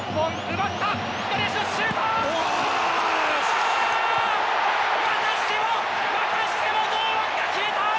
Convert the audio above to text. またしてもまたしても堂安が決めた。